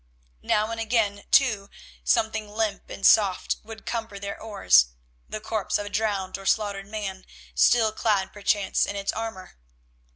Now and again, too, something limp and soft would cumber their oars, the corpse of a drowned or slaughtered man still clad perchance in its armour.